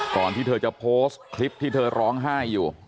ที่เธอจะโพสต์คลิปที่เธอร้องไห้อยู่